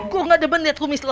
gue gak ada ben liat rumis lo